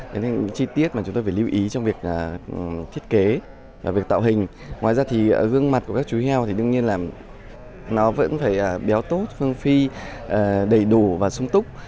nên chi tiết mà chúng tôi phải lưu ý trong việc thiết kế việc tạo hình ngoài ra thì gương mặt của các chú heo thì đương nhiên là nó vẫn phải béo tốt phương phi đầy đủ và sung túc